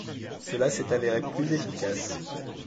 Cela s'est avéré plus efficace.